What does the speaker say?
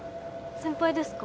先輩ですか？